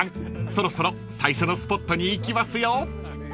そろそろ最初のスポットに行きますよ］